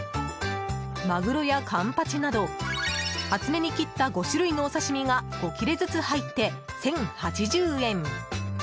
マグロやカンパチなど厚めに切った５種類のお刺し身が５切れずつ入って１０８０円。